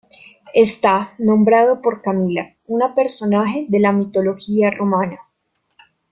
Está nombrado por Camila, una personaje de la mitología romana.